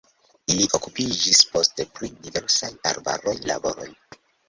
Ili okupiĝis poste pri diversaj arbaraj laboroj.